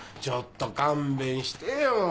ちょっと勘弁してよ。